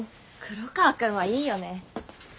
黒川くんはいいよね。